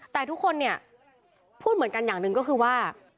แต่ทุกคนเนี่ยพูดเหมือนกันอย่างหนึ่งก็คือว่า